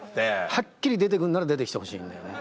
はっきり出て来んなら出て来てほしいんだよね。